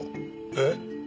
えっ？